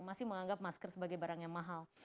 masih menganggap masker sebagai barang yang mahal